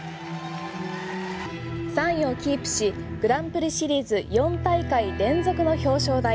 ３位をキープしグランプリシリーズ４大会連続の表彰台。